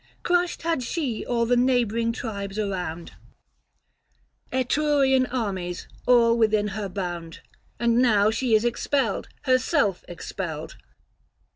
Crushed had she all the neighbouring tribes around, Etrurian armies, all within her bound. And now she is expelled, herself expelled.